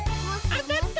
あたった！